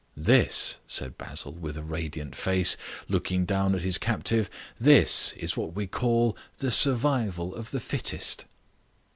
"This," said Basil, with a radiant face, looking down at his captive, "this is what we call the survival of the fittest."